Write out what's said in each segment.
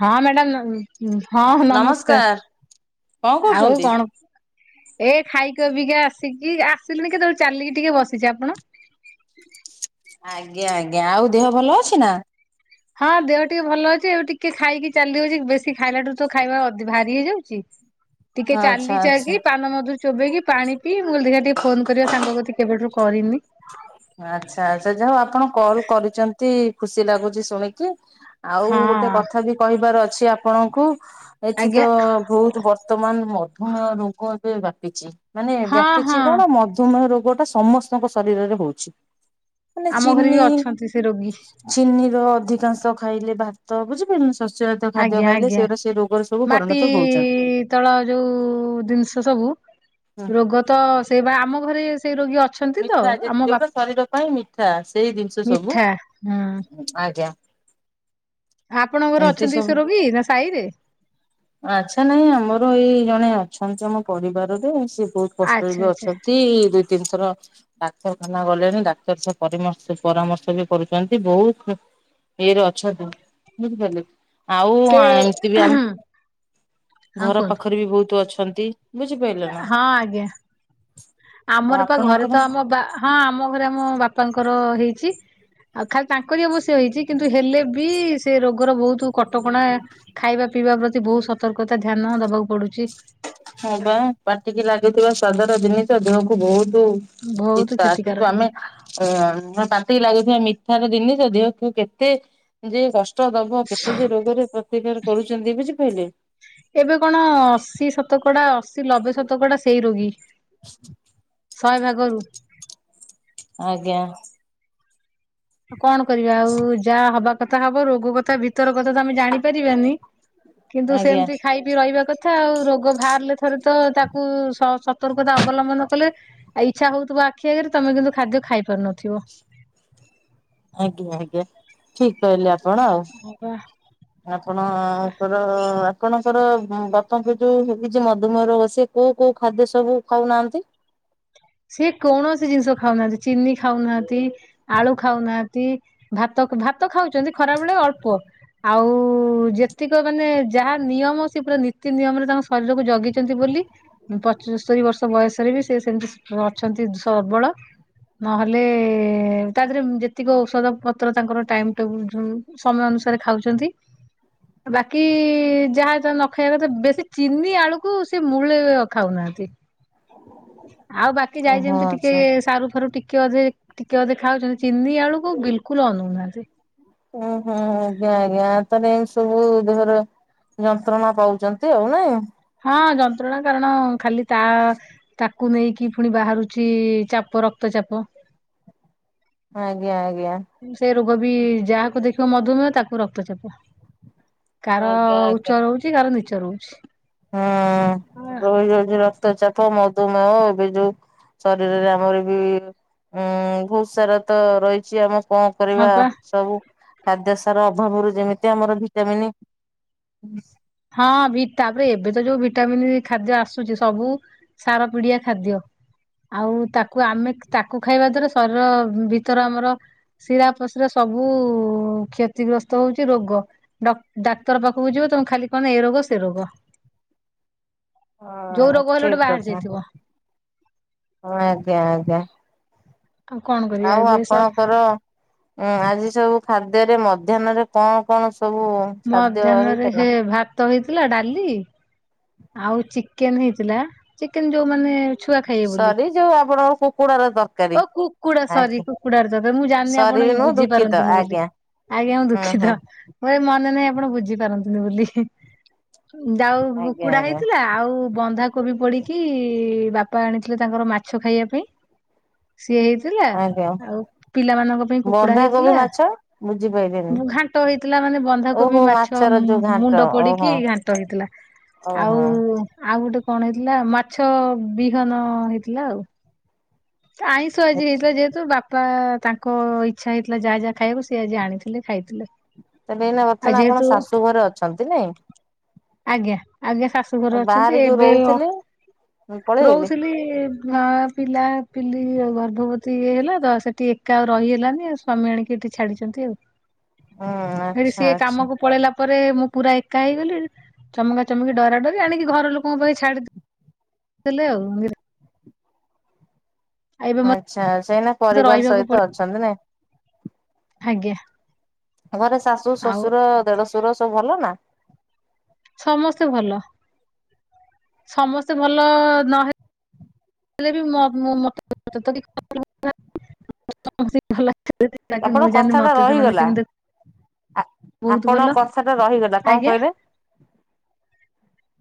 ହଁ ମ୍ୟାଡ଼ାମ ନ ଉଁ। ହଁ ନମସ୍କାର। କଣ ନମସ୍କାର ଆଉ କରୁଛନ୍ତି? କଣ। ଏ ଖାଇକ ବିକା ଆସିକି ଆସିଲିନି କେତେବେଳେ ଚାଲିକି ଟିକେ ବସିଛି ଆପଣ। ଆଜ୍ଞା ଆଜ୍ଞା ଆଉ ଦେହ ଭଲ ଅଛି ନା। ହଁ ଦେହ ଟିକେ ଭଲ ଅଛି ଏବେ ଟିକେ ଖାଇକି ଚାଲି ହଉଛି ବେଶୀ ଖାଇଲାଠୁ ତ ଖାଇବା ଅ ଭାରି ହେଇଯାଉଛି। ଟିକେ ଆଚ୍ଛା ଚାଲି ଯାଇ ଆଚ୍ଛା। କି ପାନ ମଧୁରି। ଚୋବେଇକି ପାଣି ପିଇ ମୁଁ କହିଲି ଦେଖି ବା ଟିକେ ଫୋନ କରିବା ସାଙ୍ଗ କତି କି କେବେଠରୁ କରିନି। ଆଚ୍ଛା ଆଚ୍ଛା ଯାହା ହଉ ଆପଣ କଲ କରିଛନ୍ତି ଖୁସି ଲାଗୁଛି ଶୁଣିକି। ଆଉ ଗୋଟେ ହଁ କଥା ବି କହିବାର ଅଛି ଆପଣଙ୍କୁ ଏଠି ତ ଆଜ୍ଞା ବହୁତ ବର୍ ବର୍ତମାନ ମଧୁମେହ ରୋଗ ଏବେ ବ୍ୟାପିଛି ମାନେ ହଁ ହଁ ବ୍ୟାପିଛି କଣ ମଧୁମେହ ରୋଗଟା। ସମସ୍ତଙ୍କ ଶରୀରରେ ହଉଛି ମାନେ ଆମ ଘରେ ବି ଚିନି। ଅଛନ୍ତି ସେ ରୋଗୀ ଚିନି ର ଅଧିକାଂଶ ଖାଇଲେ ଭାତ ବୁଝି ପାରିଲେ ଶସ୍ୟ। ଜାତିୟ ଖାଦ୍ୟ ଆଜ୍ଞା ଖାଇଲେ ଆଜ୍ଞା ସେଗୁରା ସେ ରୋଗରେ ସବୁ ମାଟି ପରିଣତ ହଉଚନ୍ତି। ତଳ ଯୋଉ ଜିନିଷ ସବୁ ରୋଗ ତ ସେଇ ବା ଆମ ଘରେ ସେଇ ରୋଗୀ ଅ ମିଠା ଯୋଉଟା ଶରୀର ପାଇଁ ମିଠା ସେଇ ଜିନିଷ ସବୁ ମିଠା ହୁଁ ଆଜ୍ଞା। ଆପଣଙ୍କର ଏମିତି ଅଛନ୍ତି ସବୁ ସେ ରୋଗୀ ନା ସାହି ରେ। ଆଚ୍ଛା ନାଇଁ ଆମର ଏଇ ଜଣେ ଅଛନ୍ତି ଆମ ପରିବାରରେ ସିଏ ବହୁତ। କଷ୍ଟ ରେ ଆଚ୍ଛା ବି ଆଚ୍ଛା ଅଛନ୍ତି ଦୁଇ ତିନି ଥର। ଡାକ୍ତରଖାନା ଗଲେଣି ଡାକ୍ତର ସେ ପରିମର୍ଶ ପରାମର୍ଶ ବି କରୁଛନ୍ତି ବହୁତ ଖ ଇଏରେ ଅଛନ୍ତି ବୁଝିପାରିଲେ। ଆଉ ସେ ଏମିତି ବି ଆମ ହଁ ଘର କୁହନ୍ତୁ ପାଖରେ ବି ବହୁତ ଅଛନ୍ତି। ବୁଝିପାରିଲେ ନା ହଁ ଆଜ୍ଞା ଆଉ ଆମର ପା ଘରେ ଆପଣଙ୍କର ତ ଆମ ବା ହଁ ଆମ ଘରେ ଆମ ବାପାଙ୍କର ହେଇଛି ଆଉ ଖାଲି ତାଙ୍କରି ଅବସ୍ ହେଇଛି କିନ୍ତୁ ହେଲେ ବି ସେ ରୋଗର ବହୁତ କଟକଣା ଖାଇବା। ପିଇବା ପ୍ରତି ବହୁତ ସତର୍କତା ଧ୍ୟାନ ଦବାକୁ ପଡ଼ୁଛି। ହଁ ବା ପାଟିକି ଲାଗୁଥିବା ସ୍ୱାଦର ଜିନିଷ ଦେହକୁ ବହୁତ ବହୁତ ପିତା କିନ୍ତୁ କ୍ଷତିକାରକ ଆମେ ଓ ମ ପାଟିକି ଲାଗୁଥିବା ମିଠାର ଜିନିଷ ଦେହ କୁ କେତେ ଯେ କ ଷ୍ଟ ଦବ କେତେ ଯେ ରୋଗରେ ପ୍ରତିକାର କରୁଛନ୍ତି ବୁଝିପାରିଲେ। ଏବେ କଣ ଅଶୀ ଶତକଡା ଅସ ଲବେ ଶତକଡ଼ା ସେଇ ରୋଗୀ ଶହେ ଭାଗରୁ। ଆଜ୍ଞା। କଣ କରିବା ଆଉ ଯାହା ହବା କଥା ହବ ରୋଗ କଥା ଭିତର କଥା ତ ଆମେ ଜାଣିପାରିବାନି। କିନ୍ତୁ ଆଜ୍ଞା ସେମିତି ଖାଇ ବି ରହିବା କଥା ଆଉ ରୋଗ ବାହାରିଲେ ଥରେ ତ ତାକୁ ସତର୍କତା ଅବଲମ୍ବନ କଲେ ଆଉ ଇଚ୍ଛା ହଉଥିବ ଆଖି ଆଗରେ ତମେ କିନ୍ତୁ ଖାଦ୍ୟ ଖାଇ ପାରୁନଥିବ। ଆଜ୍ଞା ଆଜ୍ଞା ଠିକ କହିଲେ ଆପଣ ଆଉ। ହଁ ବା ଆପଣ ବା। ଙ୍କର ଆପଣଙ୍କର ବାପାଙ୍କୁ ଯୋଉ ହେଇଛି ମଧୁମେହ ରୋଗ ସେ କୋଉ କୋଉ ଖାଦ୍ୟ ସବୁ ଖାଉନାହାନ୍ତି? ସିଏ କୌଣସି ଜିନିଷ ଖାଉନାହାନ୍ତି ଚିନି ଖାଉନାହାନ୍ତି ଆଳୁ ଖାଉନାହାନ୍ତି। ଭାତ ଭାତ ଖାଉଛନ୍ତି ଖରାବେେଳେ ଅଳ୍ପ। ଆଉ ଯେତିକ ମାନେ ଯାହା ନିୟମ ସେ ପୁରା ନୀତି ନିୟମରେ ତାଙ୍କ ଶରୀରକୁ ଜଗିଛନ୍ତି ବୋଲି ପଚସ୍ତରୀ ବର୍ଷ ବୟସରେ ବି ସେ ସେମିତି ଅଛନ୍ତି ସବଳ। ନହେଲେ ତା ଦେହରେ ଯେତିକି ଔଷଧ ପତ୍ର ତାଙ୍କର ଟାଇମ ଟେବୁଲ ସବୁ। ସମୟ ଅନୁସାରେ ଖାଉଛନ୍ତି। ବାକି ଯାହା ଯ ନ ଖାଇବା କଥା ବେଶୀ ଚିନି ଆଳୁକୁ ସେ ମୂଳେ ଖାଉନାହାନ୍ତି। ଆଉ ବାକି ଯାଇ ଓହୋ ଯେମିତି ଟିକେ ଆଚ୍ଛା। ସାରୁ ଫାରୁ ଟିକେ ଅଧେ ଟିକେ ଅଧେ ଖାଉଛନ୍ତି ଚିନି ଆଳୁକୁ ବିଲ୍ କୁଲ୍ ଅନଉନାହାନ୍ତି। ଓ ହୁଁ ଆଜ୍ଞା ଆଜ୍ଞା ତାହଲେ ଏମିତି ସବୁ ଧର ଯନ୍ତ୍ରଣା ପାଉଛନ୍ତି ଆଉ ନା? ହଁ ଯନ୍ତ୍ରଣା କାରଣ ଖାଲି ତା ତାକୁ ନେଇକି ପୁଣି ବାହାରୁଛି ଚାପ ରକ୍ତ ଚାପ। ଆଜ୍ଞା ଆଜ୍ଞା। ସେ ରୋଗ ବି ଯାହାକୁ ଦେଖିବ ମଧୁମେହ ତାକୁ ରକ୍ତଚାପ। କାହାର ଆଜ୍ଞା ଆଜ୍ଞା। ଉଚ୍ଚ ରହୁଛି କାହାର ନିଚ ରହୁଛି। ହୁଁ ରହିଯାଉଛି ର କ୍ତ ଚାପ ମଧୁମେହ ଏବେ ଯୋଉ ଶରୀରରେ ଆମର ବି ଉୁଁ ବହୁତ ସାରା ତ ରହିଛି ଆମେ କଣ ହଁ କରିବା ପା ସବୁ ଖାଦ୍ୟ ସାର ଅଭାବରୁ ଯେମିତି ଆମର ଭିଟାମିନ୍। ହଁ ଭି ତାପରେ ଏବେ ତ ଯୋଉ ଭିଟାମିିନ ଖାଦ୍ୟ ଆସୁଛି ସବୁ ସାର ପଡ଼ିବା ଖାଦ୍ୟ। ଆଉ ତାକୁ ଆମେ ତାକୁ ଖାଇବା ଦ୍ଵାରା ଶରୀର ଭିତର ଆମର ଶିରାପଶିରା ସବୁ କ୍ଷତିଗ୍ରସ୍ତ ହଉଛି ରୋଗ। ଡ ଡାକ୍ତର ପାଖକୁ ଯିବ ତମ ଖାଲି କଣ ନା ଏ ରୋଗ ସେ ରୋଗ। ଯୋଉ ହଁ ରୋଗ ହେଲେ ଠିକ ଗୋଟେ ବାହାରି ଯାଇଥିବ। ହ ଆଜ୍ଞା ଆଜ୍ଞା। ଆଉ କଣ କରିବା ଆଉ ଏବେ ସବ ଆପଣଙ୍କର ହୁଁ ଆଜି ସବୁ ଖାଦ୍ୟରେ ମଧ୍ୟାହ୍ନରେ କଣ କଣ ସବୁ? ଖାଦ୍ୟ ମଧାହ୍ନରେ ହେଇଥିଲା? ହେ ଭାତ ହେଇଥିଲା ଡାଲି ଆଉ ଚିକେନ ହେଇଥିଲା ଚିକେନ ଯୋଉ ମାନ ଛୁଆ ଖାଇବେ ବୋଲି ସରି ଯୋଉ ଆପଣଙ୍କର କୁକୁଡାର ତରକାରୀ ଓ କୁକୁଡା ସରି ଆଜ୍ଞା। କୁକୁଡ ତବେ ମୁଁ ଜାଣିନି ସରି ଆପଣ ବି ନୁହଁ ଦୁଃଖିତ ବୁଝିପାରନ୍ତିନି ବୋଲି ଆଜ୍ଞା ଆଜ୍ଞା ମୁ ହୁଁ ହୁଁ ଦୁଃଖିତ। ମୋ ଏ ମନେ ନାହିଁ ଆପଣ ବୁଝିପାରନ୍ତିନି ବୋଲି ଯାଉ ଆଜ୍ଞା କୁକୁଡା ଆଜ୍ଞା ହେଇଥିଲା ଆଉ ବନ୍ଧାକୋବି ପଡିକି ବାପା ଆଣିଥିଲେ ତାଙ୍କର ମାଛ ଖାଇବା ପାଇଁ ସିଏ ହେଇଥିଲା ଆଜ୍ଞା। ଆଉ ପିଲାମାନଙ୍କ ପାଇଁ କୁକୁଡା ବନ୍ଧାକୋବି ହେଇଥିଲା। ମାଛ ବୁଝିପାଇଲିନି ଘାଣ୍ଟ ହେଇଥିଲା ମାନେ ଓହୋ ବନ୍ଧାକୋବି ମାଛ ମାଛର ଯୋଉ ଘାଣ୍ଟ ମୁଣ୍ଡ ଓହୋ। ପଡିକି ଘାଣ୍ଟ ହେଇଥିଲା। ଆଉ ଓହୋ ଆଉ ଗୋଟେ କଣ ହେଇଥିଲା ମାଛ ବିହନ ହେଇଥିଲା ଆଉ। ଆଇଁସ ଆଜି ହେଇଥିଲା ଯେହେତୁ ତୋ ବାପା ତାଙ୍କ ଇଚ୍ଛା ହେଇଥିଲା ଯାହା ଯାହା ଖାଇବାବ ସେ ଆଜି ଆଣିଥିଲେ ଖାଇଥିଲେ। ତେବେ ଏଇନା ଆଉ ବର୍ତ୍ତମାନ ଆପଣ ଯେହେତୁ ଶାଶୁ ଘରେ ଅଛନ୍ତି ନାଇଁ। ଆଜ୍ଞା ଆଜ୍ଞା ଶାଶୁଘରେ ଆଉ ଅଛନ୍ତି ବାହାରେ ଯୋଉ ଏବେ ରହୁଥିଲେ ପଳେଇଲେ ରହୁଥିଲି ମା ପିଲା ପିଲି ଆଉ ଗର୍ଭବତୀ ଇଏ ହେଲା ତ ସେଠି ଏକା ଆଉ ରହି ହେଲାନି ଆଉ ସ୍ଵାମୀ ଆଣିକି ଏଠି ଛାଡିଛନ୍ତି ଆଉ। ହୁଁ ଫ ଆଚ୍ଛା ସେିଏ ଆଚ୍ଛା। କାମକୁ ପଳେଇଲା ତା ପରେରେ ମୁଁ ପୁରା ଏକା ହେଇଗଲି ଚମକା ଚମକି ଡରା ଡରି ଆଣିକି ଘର ଲୋକଙ୍କ ପାଇଁ ଛାଡିି ହେଲେ ଆଉ। ଏବେ ଆଚ୍ଛା ସେଇନା ମତେ ପରିବାର ରହିବାକୁ ପଡେ ସହିତ ଅଛନ୍ତି ନାଇ ଆଜ୍ଞା। ଘରେ ଶାଶୁ ଆଉ ଶ୍ୱଶୁର ଦେଢଶୁର ସବୁ ଭଲ ନା। ସମସ୍ତେ ଭଲ। ସମସ୍ତେ ଭଲ ନହେଲେ ହେଲେବି ମତେ ତ [unintelligible] ତ ଭଲ କି ମୁଁ ଆପଣଙ୍କ କଥା ଯାନ୍ତି ଟା ମତେ ସେମାନେ ରହିଗଲା। କେମିତି ବହୁତ ଆପଣଙ୍କ ଭଲ କଥା ଟା ରହିଗଲା କଣ ଆଜ୍ଞା କହିଲେ।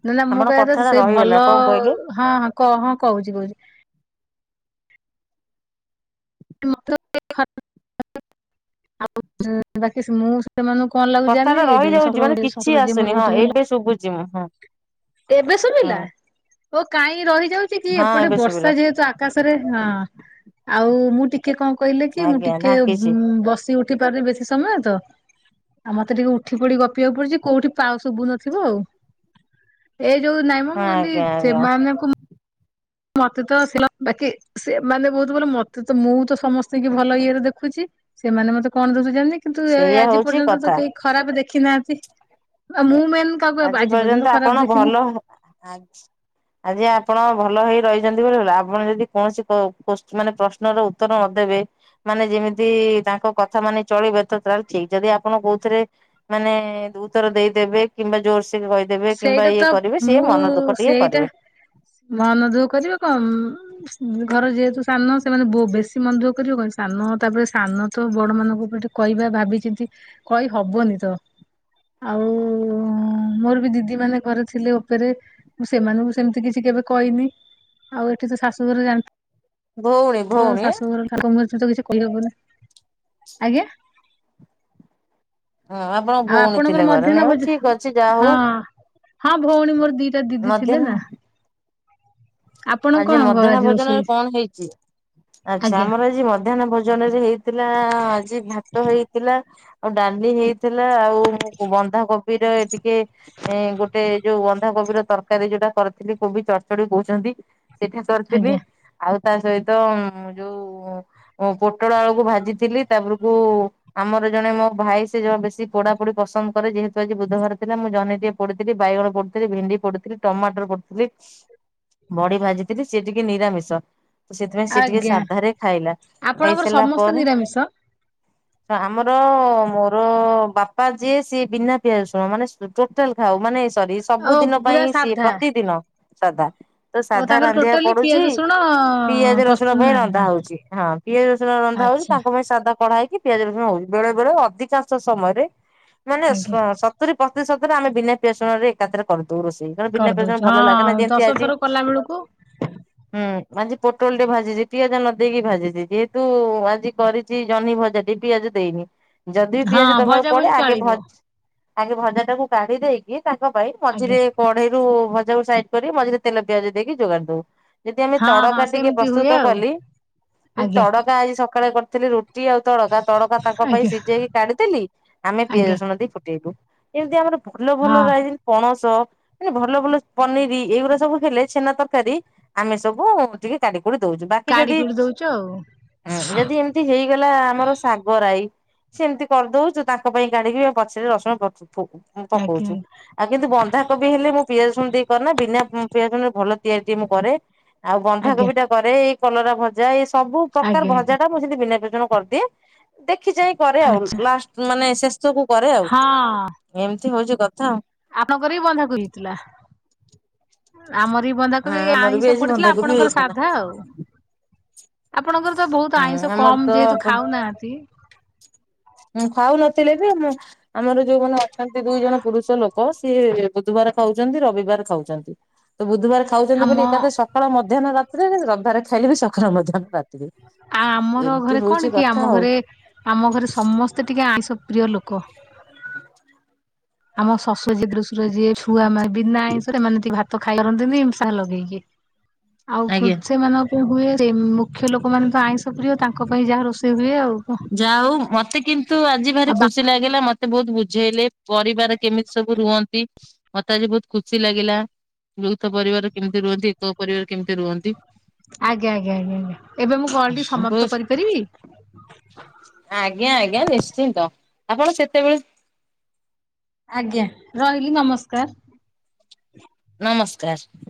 ନା ନା ମୁଁ ଆପଣ କହିବା ତ କଥାଟା ସେଇ ରହିଗଲା ଭଲ କଣ କହିଲେ? ହଁ ହ ହଁ କହୁଛି କହୁଛି ଆଉ ବାକି ମୁଁ ସେମାନଙ୍କୁ କଣ ଲାଗୁଛି କଥାଟା ଜାଣିନି ରହିଯାଉଛି ସାସ ମାନେ କିଛି ଶଶୁର ଯିଏ ଆସୁନି ମୋର ହଁ ବହୁତ ଭଲ। ଏବେ ଶୁଭୁଛି ମୁଁ ହଁ। ଏବେ ହଁ ଶୁଭିଲା ଓ କାହିଁକି ରହିଯାଉଛି କି ହଁ ଏପଟେ ଏବେ ବର୍ଷା ଶୁଭିଲା। ଯେହେତୁ ଆକାଶରେ ହଁ ଆଉ ମୁଁ ଟିକେ କଣ କହିଲେ କି ମୁଁ ଆଜ୍ଞା ଟିକେ ଢାଙ୍କିଛି ବସି ଉଠ ଉଠି ପାରୁନି ବେଶୀ ସମୟ ତ ଆଉ ମତେ ଟିକେ ଉଠି ପଡିି ଗପିବାକୁ ପଡୁଛି କୋଉଠି ପାଉ ଶୁଭୁନଥିବ ଆଉ। ଏଇ ଯୋଉ ନାଇମ ହଁ ମୁ କହିଲି ଆଜ୍ଞା ଆଜ୍ଞା ସେମାନେ ମତେ ତ ବାକି ସେ ମାନେ ବହୁତ ଭଲ ମତେ ତ ମୁଁ ତ ସମସ୍ତଙ୍କୁ ଭଲ ଇଏରେ ଦେଖୁଛି। ସେମାନେ ମତେ କଣ ଦେଖୁଛନ୍ତି କିନ୍ତୁ ସେଇଆ ଆଜି ହଉଛି ପର୍ଯ୍ୟନ୍ତ ତ କଥା। କେହି ଖରାପ ଦେଖି ନାହାନ୍ତି। ଆଉ ମୁଁ ମେନ କାହାକୁ ଆଜି ପର୍ଯ୍ୟନ୍ତ ଖରାପ ଦେଖିନି। ଆଜ୍ଞା। ଆଜି ଆପଣ ଭଲ ହେଇ ରହିଛନ୍ତି ବୋଲି ଭଲ ଆପଣ ଯଦି କୌଣସି କୁ ମାନେ ପ୍ରଶ୍ନ ପ୍ରଶ୍ନର ଉତ୍ତର ନ ଦେବେ ମାନେ ଯେମିତି ତାଙ୍କ କଥା ମାନି ଚଳିବେ ତ ତାହେଲେ ଠିକ ଯଦି ଆପଣ କୋଉଥିରେ ମାନେ ଉତର ଦେଇଦେବେ କିମ୍ବା ଜୋରସେ ଟିକେ କହିଦେବେ କିମ୍ବା ସେଇଟା ତ ଇଏ କରିବେ ସିଏ ମୁଁ ମନ ଦୁଃଖ ଟିକେ ସେଇଟା କରିବେ। ମନ ଦୁଃଖ କରିବ କଣ? ଘର ଯେହେତୁ ସାନ ସେମାନେ ବେଶୀ ମନଦୁଃଖ କରିବେ କହିଲ ସାନ ତାପରେ ସାନ ତ ବଡମାନଙ୍କ ଉପରେ କହିବା ଭାବିଚିନ୍ତି କହି ହବନି ତ ଆଉ ମୋର ବି ଦିଦି ମାନେ କରିଥିଲେ ଉପରେ ମୁ ସେମାନଙ୍କୁ ସେମିତି କିଛି କେବେ କହିନି। ଆଉ ଏଠି ତ ଶାଶୁଘରେ ଭଉଣୀ ଜାଣିଥିବୁ। ତ ଭଉଣୀ ଶାଶୁଘର ଠାକୁଙ୍କର ତ କିଛି କହି ହବନି ଆଜ୍ଞା। ହଁ ଆପଣଙ୍କ ଆଉ ଭଉଣୀ ଆପଣଙ୍କର ଥିଲେ ଘରେ ନାଇଁ ମଧ୍ୟାହ୍ନ ହଉ ଠିକ ଅଛି ଭୋଜନ ଯାହା ହଁ। ହଉ ହଁ ଭଉଣୀ ମୋର ଦିଟା ଦିଦି ଥିଲେ ମଧ୍ୟାହ୍ନ ନା। ଆପଣ ଆଜି କଣ କ ମଧ୍ୟାହ୍ନ ଆଜି ଭୋଜନରେ ରୋଷେଇ କଣ ହେଇଛି ଆଚ୍ଛା ଆଜ୍ଞା ଆମର ଆଜି ମଧ୍ୟାହ୍ନ ଭୋନ ରେ ହେଇ ଥିଲା ଆଜି ଭାତ ହେଇଥିଲା ଆଉ ଡାଲି ହେଇଥିଲା ଆଉ ମୁଁ ବନ୍ଧାକୋବି ଟିକେ ଗୋଟେ ଯୋଉ ବନ୍ଧାକୋବିର ତରକାରୀ ଯୋଉଟା କରି ଥିଲା କୋବି ଚଢଚଢ କହୁଛନ୍ତି ସେଇଠା କରିଥିଲି ଆଜ୍ଞା ଆଉ ତା ସହିତ ଯୋଉ ପୋଟଳ ଆଳୁକୁ ଭାଜିଥିଲି ତାପରକୁ ଆମର ଜଣେ ମୋ ଭାଇ ସେ ବେଶୀ ପୋଡାପୋଡି ପସନ୍ଦ କରେ ଯେହେତୁ ଆଜି ବୁଧବାର ଥିଲା ମୁଁ ଜନେଟିଏ ପୋଡିଥିଲି ବାଇଗଣ ପୋଡିଥିଲି ଭେଣ୍ଡି ପୋଡିଥିଲି ଟମାଟର ପୋଡିଥିଲି ବଡି ଭାଜିଥିଲି ସିଏ ଟିକେ ନିରାମିଷ। ତ ସେଥିପାଇଁ ସେ ଟିକେ ଆଜ୍ଞା ସାଧାରେ ଖାଇଲା ଖାଇ ଆପଣଙ୍କର ସାରିଲା ସମସ୍ତେ ପରେ ନିରାମିଷ [inaudible] ଆମର ମୋର ବାପା ଯିଏ ସିଏ ବିନା ପିଆଜ ରଶୁଣ ମାନେ ଟୋଟାଲ ଖାଉ ମାନେ ସରି ଓ ସବୁଦିନ ପୁରା ପାଇଁ ସିଏ ସାଧା ପ୍ରତିଦିନ ସାଧା। ତ ଓ ସାଧା ତାଙ୍କର ରାନ୍ଧିବା ଟୋଟାଲି ପଡୁଛି ପିଆଜ ରସୁଣ ପିଆଜ ରସୁଣ ପଶୁ ପାଇଁ ନାହିଁ ରନ୍ଧା ହଁ ହଉଛି ହଁ। ପିଆଜ ରସୁଣ ରନ୍ଧା ହଉଛି ଆଚ୍ଛା ତାଙ୍କ ପାଇଁ ସାଧା କଢା ହେଇକି ପିଆଜ ରସୁଣ ହଉଛି ବେଳେ ବେଳେ ଅଧିକାଂଶ ସମୟରେ ମାନେ ଆଜ୍ଞା ସ-ସତ ପ୍ରତିଶତରେ ଆମେ ବିନା ପିଆଜ ରସୁଣ ଏକାଥରେ କରିଦଉ ରୋଷେଇ କାରଣ ବିନା ପିଆଜ ରସୁଣ ଭଲ ଲାଗେନା ଯେମିତି ଆଜି କଲାବେଳକୁ ହୁଁ ଆଜି ପୋଟଳ ଟେ ଭାଜିଛି ପିଆଜ ନ ଦେଇକି ଭାଜିଛି ଯେହେତୁ ଆଜି କରି ଆଜି ଜହ୍ନି ଭଜା ଟିକେ ପିଆଜ ଦେଇନି ଯଦି ବି ହଁ ପିଆଜ ଦବାକୁ ଭଜା ପଡେ ଭଜି ଆଗେ ଚଳିବ ଭଜା ଆଗେ ଭଜା ଟାକୁ କାଢି ଦେଇକି ତାଙ୍କ ପାଇଁ ଆଜ୍ଞା ମଝିରେ କଢେଇରୁ ଭଜା ସାଇଡ କରି ମଝିରେ ତେଲ ପିଆଜ ଦେଇକି ଯୋଗା ଦଉ। ଯଦି ଆମେ ହଁ ହଁ ତଡକା ଟିକେ ସେମିତି ହୁଏ ପ୍ରସ୍ତୁତ ଆଉ କଲି ଆଜ୍ଞା ତଡକା ଆଜି ସକାଳେ କରିଥିଲି ରୁଟି ଆଉ ତଡକା ତଡକା ତାଙ୍କ ପାଇଁ ଆଜ୍ଞା ସିଝେଇକି କାଢିଦେଲି। ଆମେ ପିଆଜ ଆଜ୍ଞା ରସୁଣ ଦେଇ ଫୁଟେଇବୁ। ଏମିତି ଆମର ଭଲ ହଁ ଭଲତି ପଣସ ମାନେ ଭଲ ଭଲ ପନିର ଏଇଗୁଡା ସବୁ ହେଲେ ଛେନା ତରକାରୀ ଆମେ ସବୁ ଟିକେ ଦଉଛୁ ବାକି କାଢି ଯଦି କୁଢି ଦଉଛୁ ଆଉ ଯଦି ଏ ହେଇଗଲା ଆମର ଶାଗରଈ ସେମିତି କରିଦଉ ଯୋଉ ତାଙ୍କ ପାଇଁ କାଢିକି ପଛରେ ରସୁଣ ଆଜ୍ଞା ପକଉଛୁ ଆଉ କିନ୍ତୁ ବନ୍ଧାକୋବି ହେଲେ ମୁଁ ପିଆଜ ରସୁଣ ଦେଇକିନା ବିନା ପିଆଜ ରସୁଣ ଭଲ ତିଆରି ମୁଁ କରେ ଆଉ ଆଜ୍ଞା ବନ୍ଧାକୋବି ଟା କରେ ଏଇ କଲରା ଭଜା ଏଇ ସବୁ ପ୍ରକାର ଆଜ୍ଞା ଆଜ୍ଞା ଭଜା ମୁଁ ସେ ବିନା ଜଣ କରିଦିଏ ଦେଖି ଯାଇଁ କରେ ଆଉ ଆଚ୍ଛା ଲାଷ୍ଟ ମାନେ ସବୁ କରେ ଆଉ ହଁ ଏମିତି ହଉଛି କଥା ଆଉ। ଆପଣଙ୍କର ବି ବନ୍ଧାକୁ ହେଇଥିଲା ଆମର ହଁ ବନ୍ଧାକୋବି ଆମର ବି ଆଇଁଷ ଆଜି ପଡିଥିଲା ବନ୍ଧାକୋବି ଆପଣଙ୍କର ହେଇଥିଲା। ସାଧା ଆଉ। ଆପଣଙ୍କର ତ ବହୁତ ହୁଁ ଆଇଁଷ ଆମର କମ ଯେହେତୁ ଖାଉନାହାନ୍ତି? ହଁ ଖାଉନଥିଲେ ବି ଆମ ଆମର ଯୋଉମାନେ ଅଛନ୍ତି ଦୁଇ ଜଣ ପୁରୁଷ ଲୋକ ଲୋକ ସିଏ ବୁଧବାର ଖାଉଛନ୍ତି ରବିବାର ଖାଉଛନ୍ତି ତ ବୁଧବାର ଖାଉଛନ୍ତି ଆମ ବୋଲି ଏକା ତ ସକାଳ ମଧ୍ୟାହ୍ନ ରାତିରେ ରବିବାରେ ଖାଇଲେବି ସକାଳ ମଧ୍ୟାହ୍ନ ରାତିରେ। ଆ ଆମର ଏମିତି ଘରେ ହଉଛି କଣ କି କଥା ଆମ ଆଉ। ଘରେ ଆମ ଘରେ ସମ ତେ ଟିକେ ଆଇଁଷ ପ୍ରିୟ ଲୋକ। ଆମ ଶଶୁର ଯି ଦୁଶୁରର ଯିଏ ଛୁଆ ମ ବି ନାଇର ଏମାନେ ତ ଖାଇପାରନ୍ତିନି ନିମଷା ଲଗେଇକି ଆଉ ଆଜ୍ଞା। ସେମାନ ହୁଏ ମୁଖ୍ୟ ଲୋକ ମାନେ ତ ଆଇଁଷ ପ୍ରିୟ ତାଙ୍କ ପାଇଁ ଯାହା ରୋଷେଇ ହୁଏ ଆଉ କଣ। ଯାହା ହଉ ମତେ କିନ୍ତୁ ଆଜି ଭାରି ଆଉ ଖୁସି ଲାଗିଲା ମତେ ମତେ ବହୁତ ବୁଝେଇଲେ ପରିବାର କେମିତି ସବୁ ରୁହନ୍ତି ମତେ ଆଜି ବହୁତ ଖୁସି ଲାଗିଲା। ବୌଥ ପରିବାର କେମିତି ରୁହନ୍ତି ଏକ ପରିବାର କେମିତି ରୁହନ୍ତି। ଆଜ୍ଞା ଆଜ୍ଞା ଆଜ୍ଞା ଏବେ ମୁଁ କଲ୍ ଟିକେ ସମାପ୍ତ ବହୁତ କରିପାରିବି? ଆଜ୍ଞା ଆଜ୍ଞା ନିଶ୍ଚିନ୍ତ ଆପଣ ସେତେବେଳେ ଆଜ୍ଞା ରହିଲି ନମସ୍କାର। ନମସ୍କାର।